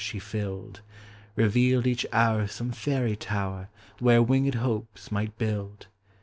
she filled; Kevealed each hour some fairv tower Where winged hopes might build!